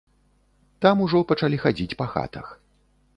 Там ўжо пачалі хадзіць па хатах.